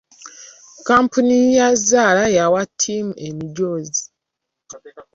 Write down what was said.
Kkampuni ya zzaala yawa ttiimu emijoozi.